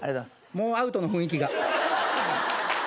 もうアウトの雰囲気が。